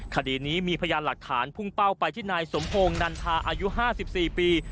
คดีนี้มีพยานหลักฐานพุ่งเป้าไปที่นายสมพงศ์นันทาอายุ๕๔ปี